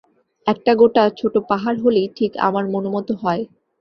একটা গোটা ছোট পাহাড় হলেই ঠিক আমার মনোমত হয়।